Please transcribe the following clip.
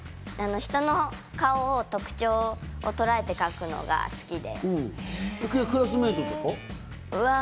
人の顔の特徴をとらえて描くのが好きで。